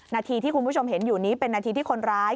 นาทีที่คุณผู้ชมเห็นอยู่นี้เป็นนาทีที่คนร้าย